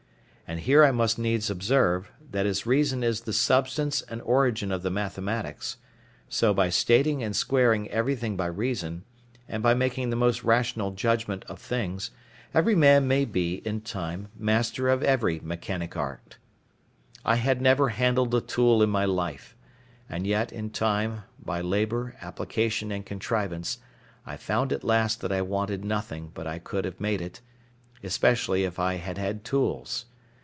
And here I must needs observe, that as reason is the substance and origin of the mathematics, so by stating and squaring everything by reason, and by making the most rational judgment of things, every man may be, in time, master of every mechanic art. I had never handled a tool in my life; and yet, in time, by labour, application, and contrivance, I found at last that I wanted nothing but I could have made it, especially if I had had tools.